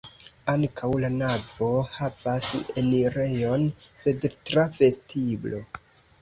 Ankaŭ la navo havas enirejon, sed tra vestiblo.